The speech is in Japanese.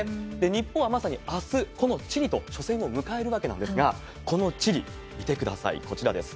日本はまさにあす、このチリと初戦を迎えるわけなんですが、このチリ、見てください、こちらです。